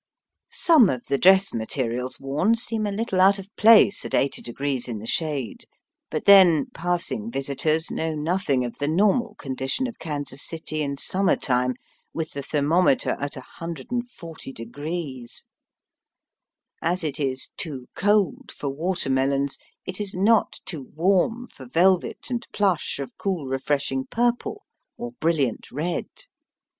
Some of the dress materials worn seem a little out of place at 80° in the shade. But then, passing visitors know nothing of the normal condition of Kansas City in summer time, with the thermometer at 140°. As it is too cold for water melons," it is not too warm for velvet and plush of cool refreshing purple or brilliant red.